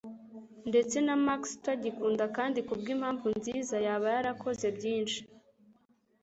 Ndetse na Max, utagikunda, kandi kubwimpamvu nziza, yaba yarakoze byinshi